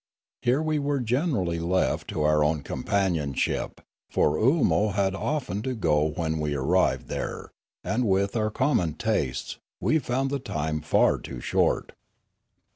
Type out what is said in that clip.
Here we were generally left to our own companionship; for Oolmo had often to go when we arrived there; and, with our common tastes, we found the time far too short.